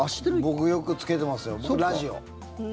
僕よくつけてますよラジオ。